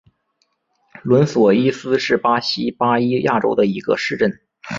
伦索伊斯是巴西巴伊亚州的一个市镇。